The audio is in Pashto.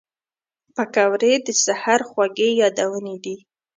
پکورې د سهر خوږې یادونې دي